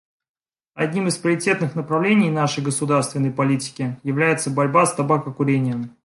Одним из приоритетных направлений нашей государственной политики является борьба с табакокурением.